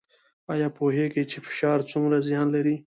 ایا پوهیږئ چې فشار څومره زیان لري؟